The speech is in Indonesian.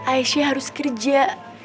aisyah harus kerja